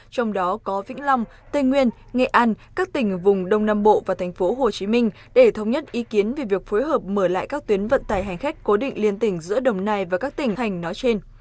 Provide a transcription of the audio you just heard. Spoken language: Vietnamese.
trong đó có vĩnh long tây nguyên nghệ an các tỉnh vùng đông nam bộ và tp hcm để thống nhất ý kiến về việc phối hợp mở lại các tuyến vận tải hành khách cố định liên tỉnh giữa đồng nai và các tỉnh thành nói trên